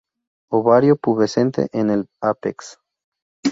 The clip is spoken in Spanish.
Ovario pubescente en el apex.